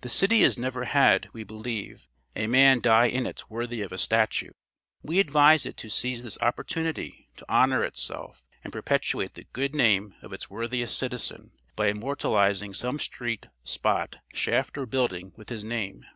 "The city has never had, we believe, a man die in it worthy of a statue. We advise it to seize this opportunity to honor itself and perpetuate the good name of its worthiest citizen, by immortalizing some street, spot, shaft or building with his name.